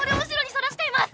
そらしています